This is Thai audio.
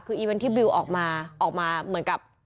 คืออีเวนต์ที่บิลออกมา